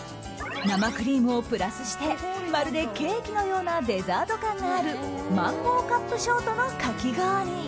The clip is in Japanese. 生クリームをプラスしてまるでケーキのようなデザート感があるマンゴーカップショートのかき氷。